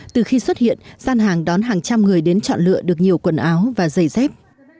từ khi xuất hiện gian hàng đón hàng trăm người đến chọn lựa được nhiều quần áo và giày dép